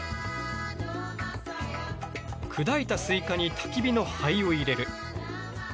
砕いたスイカにたき火の灰を入れる。